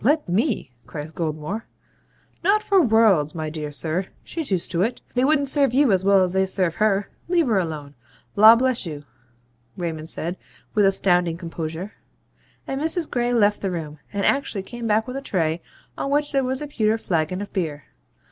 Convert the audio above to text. let ME,' cries Goldmore. 'Not for worlds, my dear sir. She's used to it. They wouldn't serve you as well as they serve her. Leave her alone. Law bless you!' Raymond said, with astounding composure. And Mrs. Gray left the room, and actually came back with a tray on which there was a pewter flagon of beer.